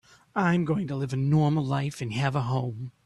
I'm going to live a normal life and have a home.